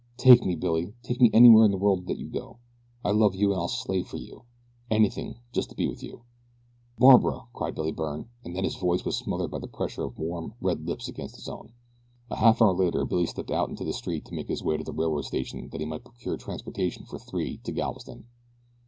Take me, Billy! Take me anywhere in the world that you go. I love you and I'll slave for you anything just to be with you." "Barbara!" cried Billy Byrne, and then his voice was smothered by the pressure of warm, red lips against his own. A half hour later Billy stepped out into the street to make his way to the railroad station that he might procure transportation for three to Galveston.